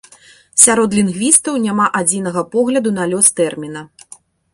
Сярод лінгвістаў няма адзінага погляду на лёс тэрміна.